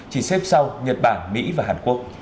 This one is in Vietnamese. chỉ xếp sau nhật bản mỹ và hàn quốc